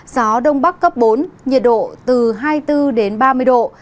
gió đông bắc cấp bốn nhiệt độ từ hai mươi bốn đến ba mươi độ